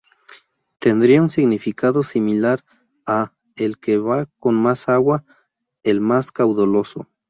Tendría un significado similar a 'el que va con más agua, 'el más caudaloso'.